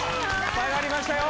下がりましたよ。